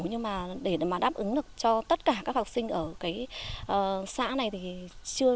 nhưng mà để mà đáp ứng được cho tất cả các học sinh ở cái xã này thì chưa